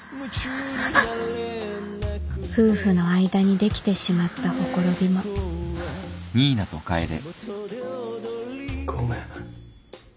夫婦の間にできてしまったほころびもごめん。